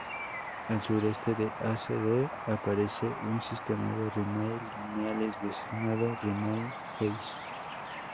Al sureste de "Hase D" aparece un sistema de rimae lineales designado Rimae Hase.